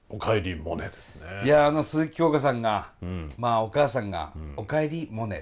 あの鈴木京香さんがまあお母さんが「おかえりモネ」。